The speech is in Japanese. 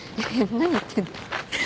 何言ってんの。